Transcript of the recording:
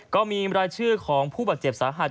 ก็มีรายชื่อของผู้บาดเจ็บสาหัส